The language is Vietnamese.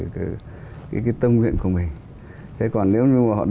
cái tâm luyện của mình